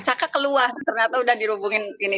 caka keluar ternyata udah dihubungin ini